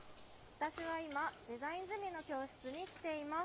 私は今、デザインゼミの部屋に来ています。